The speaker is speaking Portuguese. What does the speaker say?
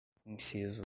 inciso